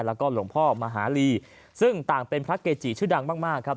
แล้วก็หลวงพ่อมหาลีซึ่งต่างเป็นพระเกจิชื่อดังมากมากครับ